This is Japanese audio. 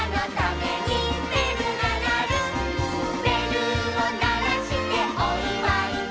「べるをならしておいわいだ」